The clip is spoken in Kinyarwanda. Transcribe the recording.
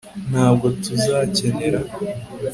ntabwo tuzakenera